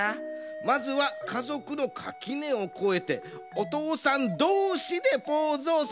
まずはかぞくのかきねをこえておとうさんどうしでポーズをそろえてもらうで！